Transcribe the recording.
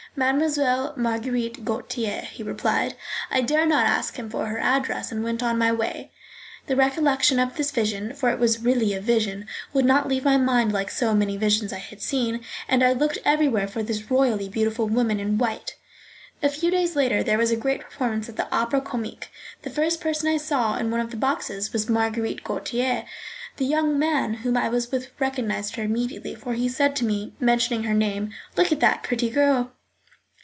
"Mademoiselle Marguerite Gautier," he replied. I dared not ask him for her address, and went on my way. The recollection of this vision, for it was really a vision, would not leave my mind like so many visions I had seen, and I looked everywhere for this royally beautiful woman in white. A few days later there was a great performance at the Opera Comique. The first person I saw in one of the boxes was Marguerite Gautier. The young man whom I was with recognised her immediately, for he said to me, mentioning her name: "Look at that pretty girl."